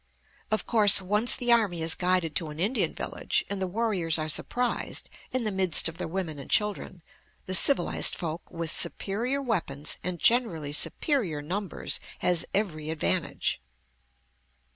Of course, once the army is guided to an Indian village, and the warriors are surprised in the midst of their women and children, the civilized folk, with superior weapons and generally superior numbers, has every advantage.